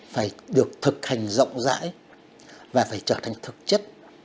phải được thực hành rộng rãi và phải trở thành thực chất